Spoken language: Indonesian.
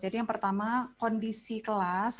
jadi yang pertama kondisi kelas pada jenis kelas